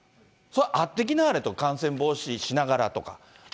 それは会ってきなはれと、感染防止しながらとか。